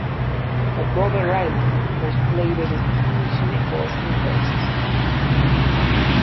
Her brother Raymond was played by a teenage Nicholas Lyndhurst.